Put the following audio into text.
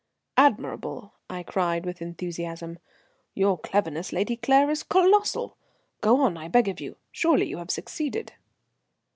"Admirable!" I cried, with enthusiasm. "Your cleverness, Lady Claire, is colossal. Go on, I beg of you. Surely you have succeeded?"